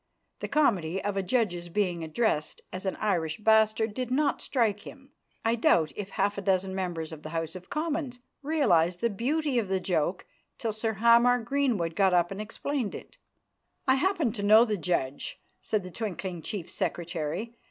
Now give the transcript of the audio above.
The comedy of a judge's being addressed as an Irish bastard did not strike him. I doubt if half a dozen members of the House of Commons realised the beauty of the joke till Sir Hamar Greenwood got up and explained it. "I happen to know the judge," said the twinkling Chief Secretary.